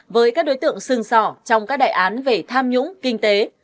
với các đối tượng sừng sỏ trong các đại án về tham nhũng kinh tế